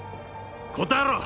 答えろ！